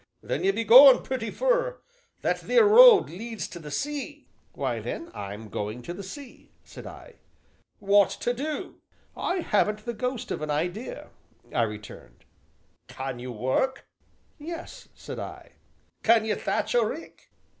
"Then you be goin' pretty fur that theer road leads to the sea." "Why, then I'm going to the sea," said I. "What to do?" "I haven't the ghost of an idea," I returned. "Can you work?" "Yes," said I. "Can ye thatch a rick?"